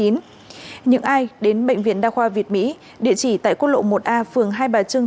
những ai đến bệnh viện đa khoa việt mỹ địa chỉ tại quốc lộ một a phường hai bà trưng